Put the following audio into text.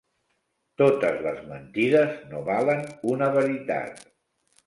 Totes les mentides no valen una veritat.